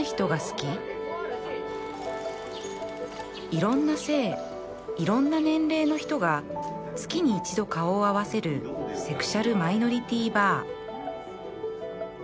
いろんな性いろんな年齢の人が月に一度顔を合わせるセクシャルマイノリティーバー